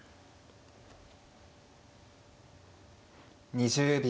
２０秒。